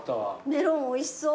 メロンおいしそう。